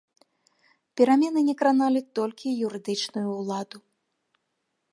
Перамены не краналі толькі юрыдычную ўладу.